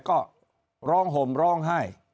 ก็ร้องห่มร้องไห้